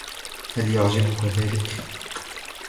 هل يعجبك ذلك ؟